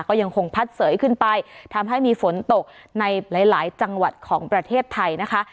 ก็ยังคงพัดเสยขึ้นไปทำให้มีฝนตกในหลายจังหวัดของประเทศไทยนะคะ